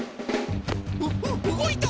うううごいた！